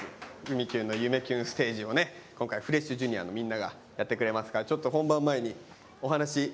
「ふみキュンの夢キュンステージ」をね今回フレッシュＪｒ．のみんながやってくれますからちょっと本番前にお話聞いてきたいと思います。